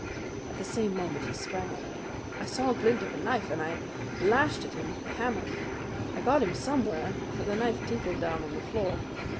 At the same moment he sprang at me. I saw the glint of a knife, and I lashed at him with the hammer. I got him somewhere; for the knife tinkled down on the floor.